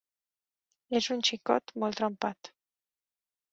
És un xicot molt trempat.